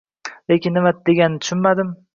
Lekin nima deganini tushunmadim